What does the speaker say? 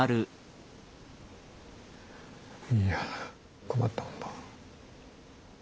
いや困ったもんだ。